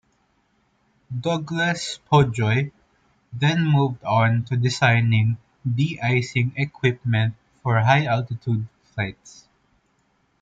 Douglas Pobjoy then moved on to designing de-icing equipment for high-altitude flights.